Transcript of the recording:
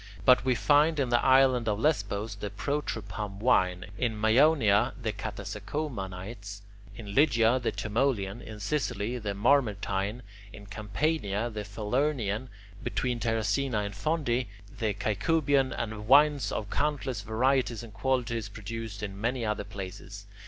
But we find in the island of Lesbos the protropum wine, in Maeonia, the catacecaumenites, in Lydia, the Tmolian, in Sicily, the Mamertine, in Campania, the Falernian, between Terracina and Fondi, the Caecuban, and wines of countless varieties and qualities produced in many other places.